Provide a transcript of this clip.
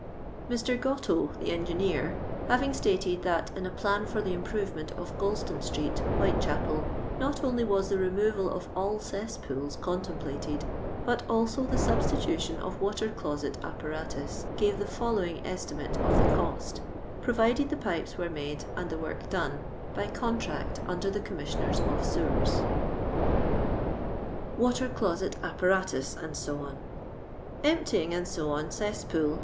" ]lr. €k>tto, the engineer, having stated that in a plan for the improvement of Goulston street, Whitechapel, not only was the removal of all caaspools contemplated, but also the substitution of water^loset apparatus, gave the following esti mate of the cott, provided the pipes were made and the work done by contract under the Com misMonera of Sewers :— WaUr<lotet Apparatut, Jbc. £ t. d. Emptying, &c., cesspool